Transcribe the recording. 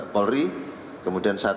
polri kemudian satu